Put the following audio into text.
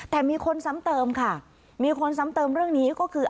แต่มีคนซ้ำเติมค่ะมีคนซ้ำเติมเรื่องนี้ก็คือ